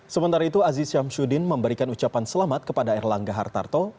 sementara itu aziz syamsuddin memberikan ucapan selamat kepada erlangga hartarto